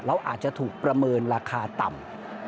แล้วอาจจะถูกประเมินราคาต่ำ